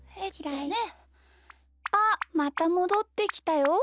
あっまたもどってきたよ。